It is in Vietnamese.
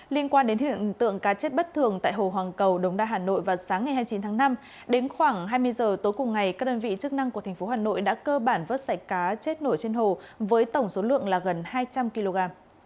liên quan đến hiện tượng cá chết bất thường tại hồ hoàng cầu đồng đa hà nội vào sáng ngày hai mươi chín tháng năm đến khoảng hai mươi giờ tối cùng ngày các đơn vị chức năng của thành phố hà nội đã cơ bản vớt sạch cá chết nổi trên hồ với tổng số lượng là gần hai trăm linh kg